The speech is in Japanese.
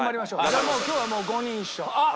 じゃあもう今日は５人一緒。